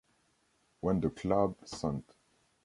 When the club St.